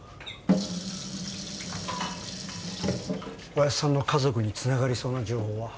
おやっさんの家族につながりそうな情報は？